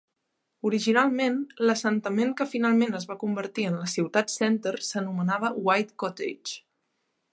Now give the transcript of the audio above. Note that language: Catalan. Originalment, l'assentament que finalment es va convertir en la ciutat Center s'anomenava White Cottage.